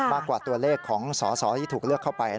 มากกว่าตัวเลขของสที่ถูกเลือกเข้าไป